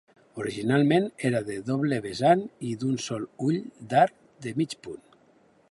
Originalment era de doble vessant i d’un sol ull d’arc de mig punt.